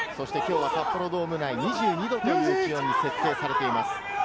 札幌ドーム内は２２度という温度に設定されています。